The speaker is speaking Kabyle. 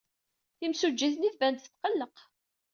Timsujjit-nni tban-d tetqelleq.